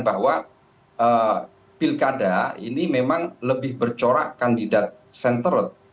bahwa pilkada ini memang lebih bercorak kandidat centeret